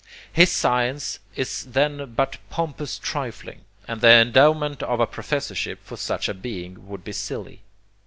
His science is then but pompous trifling; and the endowment of a professorship for such a being would be silly.